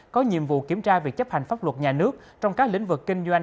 có nhiệm vụ kiểm tra việc chấp hành pháp luật nhà nước trong các lĩnh vực kinh doanh